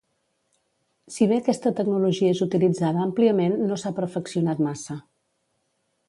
Si bé aquesta tecnologia és utilitzada àmpliament, no s'ha perfeccionat massa.